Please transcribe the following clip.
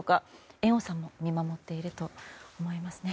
猿翁さんも見守っていると思いますね。